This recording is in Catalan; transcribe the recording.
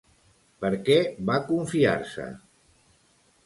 Per què va confiar-se?